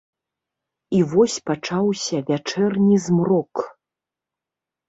І вось пачаўся вячэрні змрок.